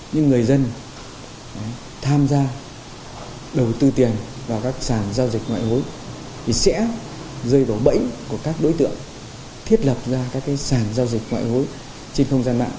nhưng người dân tham gia đầu tư tiền vào các sàn giao dịch ngoại hối thì sẽ rơi vào bẫy của các đối tượng thiết lập ra các sản giao dịch ngoại hối trên không gian mạng